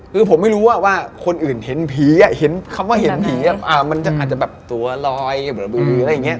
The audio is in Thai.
คือผมไม่รู้ว่าว่าคนอื่นเห็นผีอ่ะเห็นคำว่าเห็นผีอ่ะอ่ะมันจะอาจจะแบบตัวลอยอะไรอย่างเงี้ย